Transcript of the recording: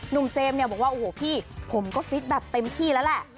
เจมส์เนี่ยบอกว่าโอ้โหพี่ผมก็ฟิตแบบเต็มที่แล้วแหละ